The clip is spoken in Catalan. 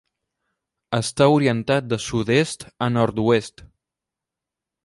Està orientat de sud-est a nord-oest.